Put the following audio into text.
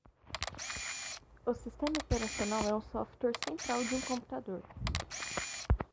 Operating System (Sistema Operacional) é o software central de um computador.